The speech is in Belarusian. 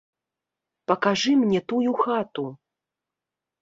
Пакажы мне тую хату.